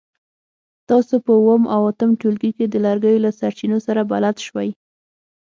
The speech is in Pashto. تاسو په اووم او اتم ټولګي کې د لرګیو له سرچینو سره بلد شوي.